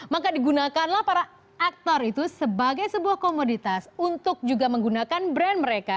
maka digunakanlah para aktor itu sebagai sebuah komoditas untuk juga menggunakan brand mereka